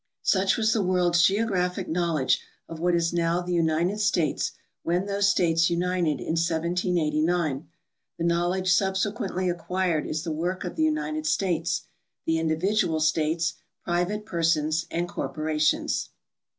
Such was the world's geographic knowledge of what is now the United States when those states united m 1789. The knowledge subsequently acquired is the work of the United States, the in dividual states, private persons, and corporations.